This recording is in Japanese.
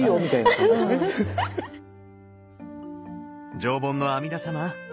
上品の阿弥陀様！